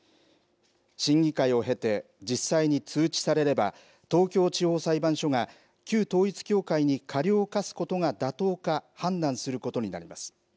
審議会を経て、実際に通知されれば、東京地方裁判所が、旧統一教会に過料を科すことが妥当か判断することになります。